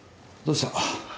どうした？